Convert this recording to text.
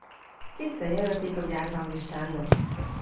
Kétszer jelölték a világranglistán No.